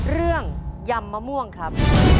เรื่องยำมะม่วงครับ